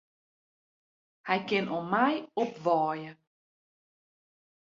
Hy kin om my opwaaie.